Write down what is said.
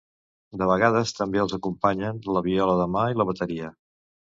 De vegades també els acompanyen la viola de mà i la bateria.